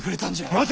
待て！